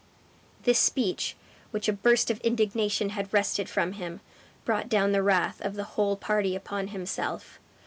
This speech, which a burst of indignation had wrested from him, brought down the wrath of the whole party upon himself.